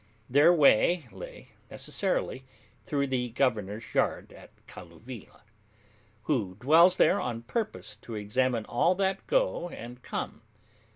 Their way lay necessarily through the governor's yard at Kalluvilla, who dwells there on purpose to examine all that go and come.